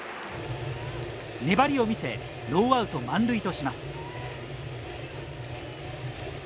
粘りを見せノーアウト満塁とします。